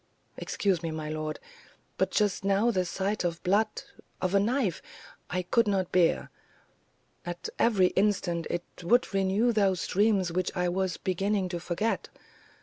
"Excuse me, my lord; but just now the sight of blood of a knife I could not bear; at every instant it would renew those dreams which I was beginning to forget.